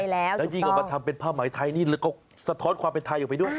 แล้วยิ่งออกมาทำเป็นผ้าไหมไทยนี่แล้วก็สะท้อนความเป็นไทยออกไปด้วย